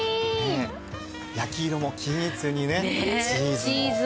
焼き色も均一にねチーズも。